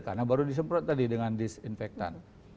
karena baru disemprot tadi dengan disinfectant